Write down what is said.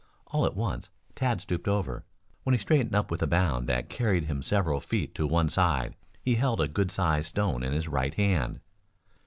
All at once Tad stooped over. When he straightened up with a bound that carried him several feet to one side, he held a good sized stone in his right hand.